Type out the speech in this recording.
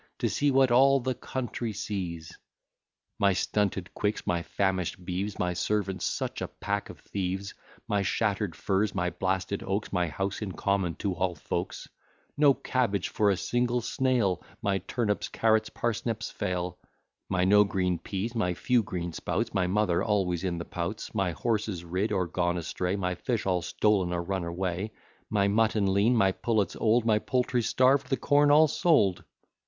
To see what all the country sees! My stunted quicks, my famish'd beeves, My servants such a pack of thieves; My shatter'd firs, my blasted oaks, My house in common to all folks, No cabbage for a single snail, My turnips, carrots, parsneps, fail; My no green peas, my few green sprouts; My mother always in the pouts; My horses rid, or gone astray; My fish all stolen or run away; My mutton lean, my pullets old, My poultry starved, the corn all sold.